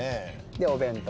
でお弁当。